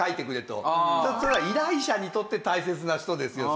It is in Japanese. とすれば依頼者にとって大切な人ですよ。